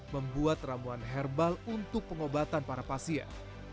membuat ramuan herbal untuk pengobatan para pasien